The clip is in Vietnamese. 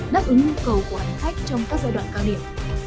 đáp ứng nhu cầu của hành khách trong các giai đoạn cao điểm